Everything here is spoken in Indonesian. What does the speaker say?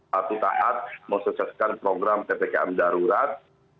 hati hati menyukseskan program ppkm darurat